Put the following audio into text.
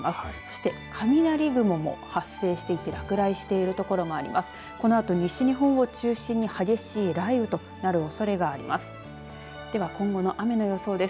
そして雷雲も発生していて落雷している所もあります。